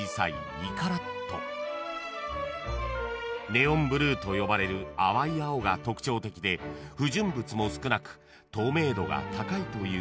［ネオンブルーと呼ばれる淡い青が特徴的で不純物も少なく透明度が高いというトルマリン］